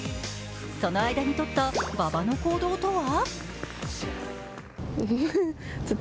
その間にとった馬場の行動とは？